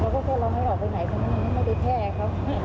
เราก็จะลองให้เหล่าไปไหนก็ไม่ได้แพร่ครับเขาพูดถึงนะถ้าเราเป็น